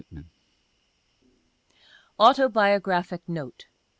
69 (3) AUTOBIOGRAPHIC Note.